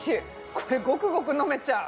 これゴクゴク飲めちゃう。